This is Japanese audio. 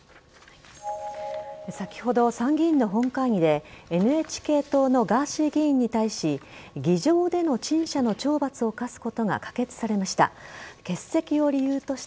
先ほど参議院の本会議でＮＨＫ党のガーシー議員に対し議場での陳謝の懲罰を課すことが可決されました。